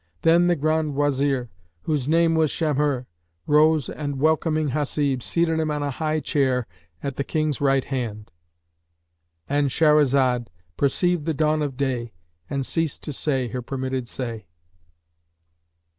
Then the Grand Wazir, whose name was Shamhϊr, rose and welcoming Hasib, seated him on a high chair at the King's right hand."—And Shahrazad perceived the dawn of day and ceased to say her permitted say.